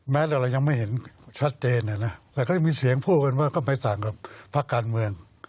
แม้แต่เรายังไม่เห็นชัดเจนแต่ยังมีเสียงพูคนว่าก็ไม่ต่างความพลักการเมือง